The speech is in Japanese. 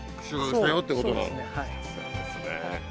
さすがですねぇ。